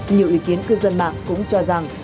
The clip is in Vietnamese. nhiều ý kiến cư dân mạng cũng cho rằng